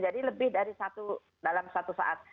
jadi lebih dari satu dalam satu saat